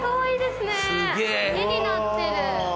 絵になってる。